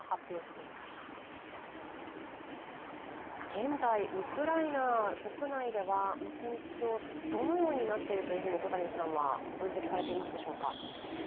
現在ウクライナ国内では、戦況、どのようになっていると分析されていますでしょうか。